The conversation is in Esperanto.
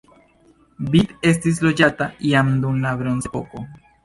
Vid estis loĝata jam dum la bronzepoko.